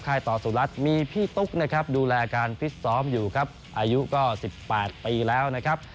ต่อสุรัตน์มีพี่ตุ๊กนะครับดูแลการฟิตซ้อมอยู่ครับอายุก็๑๘ปีแล้วนะครับ